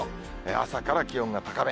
朝から気温が高め。